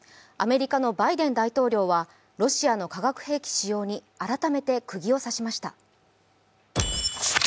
アメリカのバイデン大統領はロシアの化学兵器使用に改めてくぎを刺しました。